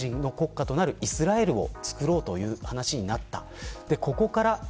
ユダヤ人の国家となるイスラエルをつくろうという話になった。